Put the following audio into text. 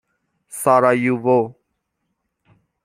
سارایوو